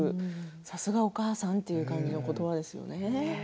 さすがお母さんという感じのことばですよね。